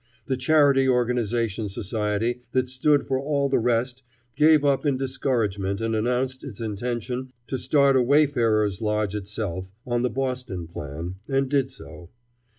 The Charity Organization Society that stood for all the rest gave up in discouragement and announced its intention to start a Wayfarer's Lodge itself, on the Boston plan, and did so.